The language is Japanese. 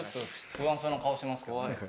不安そうな顔してますけど。